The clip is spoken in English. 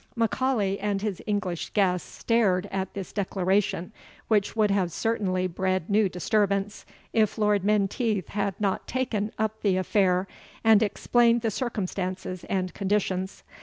M'Aulay and his English guests stared at this declaration, which would have certainly bred new disturbance, if Lord Menteith had not taken up the affair, and explained the circumstances and conditions.